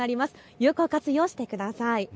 有効活用してください。